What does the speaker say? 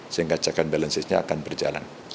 sehingga cekan balansinya akan berjalan